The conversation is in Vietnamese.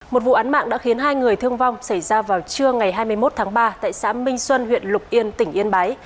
một vụ án mạng đã khiến hai người thương vong xảy ra vào trưa ngày hai mươi một tháng ba tại xã minh xuân huyện lục yên tỉnh yên bái